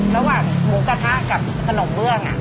ระหว่างหมูกระทะกับขนมเบื้อง